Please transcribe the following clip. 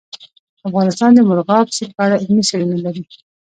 افغانستان د مورغاب سیند په اړه علمي څېړنې لري.